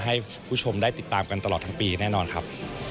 ให้ผู้ชมได้ติดตามกันตลอดทั้งปีแน่นอนครับ